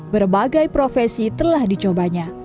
berbagai profesi telah dicobanya